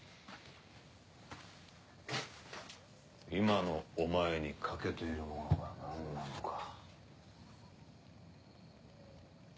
今のお前に欠けているものが何なのか。